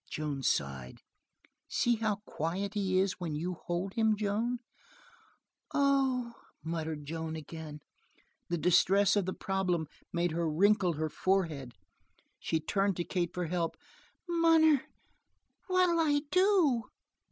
Joan sighed. "See how quiet he is when you hold him, Joan!" "Oh," muttered Joan again. The distress of the problem made her wrinkle her forehead. She turned to Kate for help. "Munner, what'll I do?"